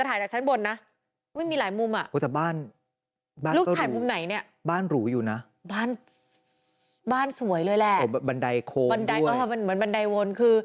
ตอนที่ถ้าลูกถ่ายลูก